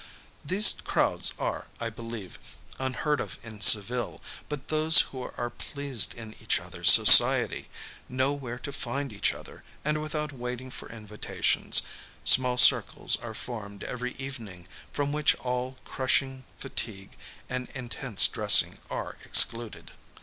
These crowds are, I believe, unheard of in Seville; but those who are pleased in each other's society, know where to find each other; and without waiting for invitations, small circles are formed every evening, from which all crushing, fatigue, and intense dressing are excluded.